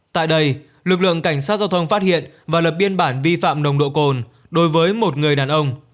tại đây lực lượng cảnh sát giao thông phát hiện và lập biên bản vi phạm nồng độ cồn đối với một người đàn ông